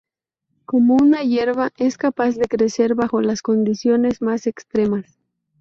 Como una hierba, es capaz de crecer bajo las condiciones más extremas.